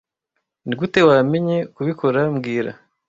Nigute wamenye kubikora mbwira